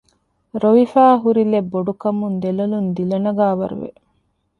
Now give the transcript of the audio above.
ރޮވިފައި ހުރިލެތް ބޮޑު ކަމުން ދެ ލޮލުން ދިލަ ނަގާވަރު ވެ